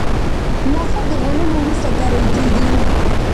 نخود د غنمو وروسته کرل کیږي.